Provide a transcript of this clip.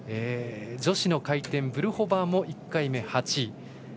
女子の回転、ブルホバーも１回目、８位。